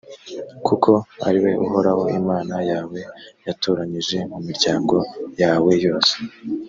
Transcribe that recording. kuko ari we uhoraho imana yawe yatoranyije mu miryango yawe yose,